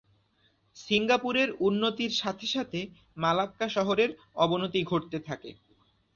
সিঙ্গাপুরের উন্নতির সাথে সাথে মালাক্কা শহরের অবনতি ঘটতে থাকে।